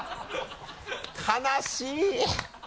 悲しい！